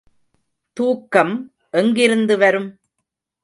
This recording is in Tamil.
தூக்கம் எங்கிருந்து வரும்?